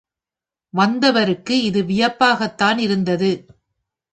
வந்தவருக்கு இது வியப்பாகத்தான் இருந்தது.